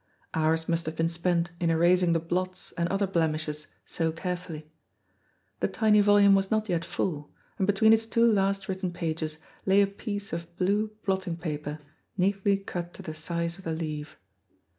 Hours must have been spent in erasing the blots and other blemishes so carefully. The tiny volume was not yet full, and between its two last written pages lay a piece of blue blotting paper neatly cut to the size of the leaf.